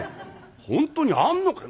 「本当にあんのか」。